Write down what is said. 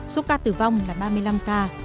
số ca tử vong là ba mươi năm ca